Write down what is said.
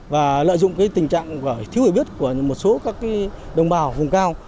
và lợi dụng tình trạng thiếu hỏi biết của một số đồng bào và vùng cao